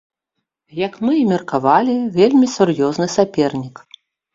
Як мы і меркавалі, вельмі сур'ёзны сапернік.